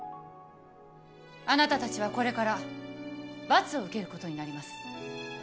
あなたたちはこれから罰を受けることになります。